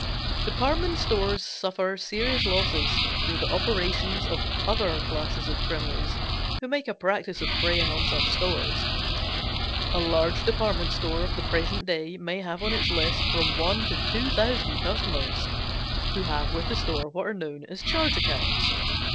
Department stores suffer serious losses through the operations of other classes of criminals who make a practice of preying on such stores. A large department store of the present day may have on its list from one to two thousand customers, who have with the store what are known as charge accounts.